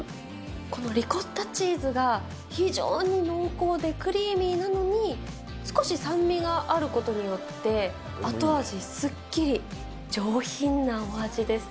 このリコッタチーズが、非常に濃厚でクリーミーなのに、少し酸味があることによって、後味すっきり、上品なお味です。